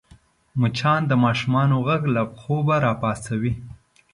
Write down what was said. مچان د ماشوم غږ له خوبه راپاڅوي